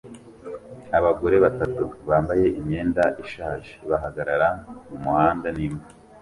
Abagore batatu bambaye imyenda ishaje bahagarara mumuhanda n'imbwa